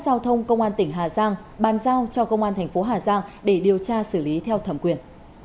giao thông công an tỉnh hà giang bàn giao cho công an thành phố hà giang để điều tra xử lý theo thẩm quyền